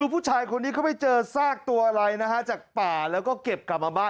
ผู้ชายคนนี้เขาไปเจอซากตัวอะไรนะฮะจากป่าแล้วก็เก็บกลับมาบ้าน